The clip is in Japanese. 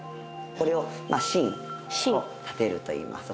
これを「真を立てる」といいます。